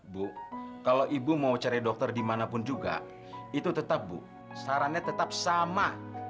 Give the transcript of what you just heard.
bu kalau ibu mau cari dokter dimanapun juga itu tetap bu sarannya tetap sama